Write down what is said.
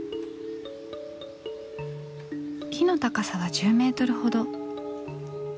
木の高さは１０メートルほど。